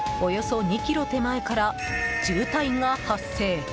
およそ２ｋｍ手前から渋滞が発生。